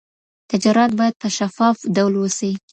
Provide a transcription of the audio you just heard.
تجارت بايد په شفاف ډول وسي.